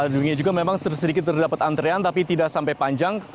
di dunia juga memang sedikit terdapat antrean tapi tidak sampai panjang